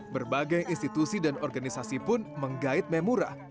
berbagai institusi dan organisasi pun menggait memurah